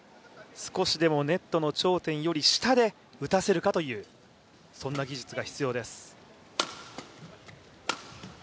少しでもネットの頂点より下で打たせるという技術が必要です。